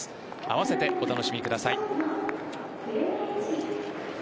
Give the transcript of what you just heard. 併せてお楽しみください。